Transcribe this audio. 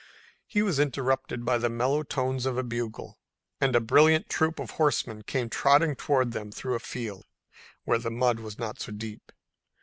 He was interrupted by the mellow tones of a bugle, and a brilliant troop of horsemen came trotting toward them through a field, where the mud was not so deep.